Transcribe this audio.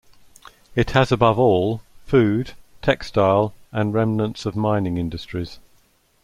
It has above all food, textile and remnants of mining industries.